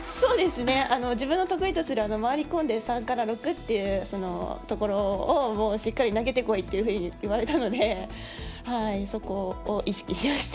自分の得意とする回り込んで３から６というところをしっかり投げてこいと言われたのでそこを意識しました。